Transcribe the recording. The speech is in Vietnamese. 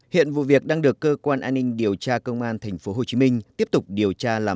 hiện vụ việc đang được cơ quan an ninh điều tra công an tp hcm tiếp tục điều tra